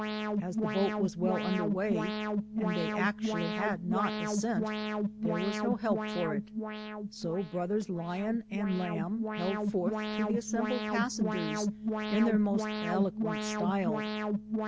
As the boat was well under way and they actually had not a cent, there was no help for it. So Brothers Lion and Lamb held forth to the assembled pas sengers in their most eloquent style.